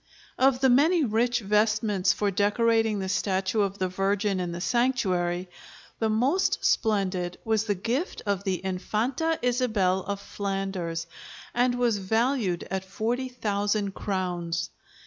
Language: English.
Of the many rich vestments for decorating the statue of the Virgin in the sanctuary, the most splendid was the gift of the Infanta Isabel of Flanders, and was valued at 40,000 crowns.